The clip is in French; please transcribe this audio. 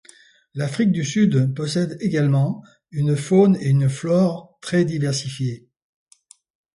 L'Afrique du Sud possède également une faune et une flore très diversifiées.